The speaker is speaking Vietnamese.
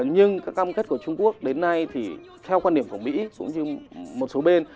nhưng các cam kết của trung quốc đến nay thì theo quan điểm của mỹ cũng như một số bên